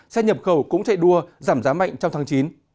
xe nhập khẩu cũng chạy đua giảm giá mạnh trong tháng chín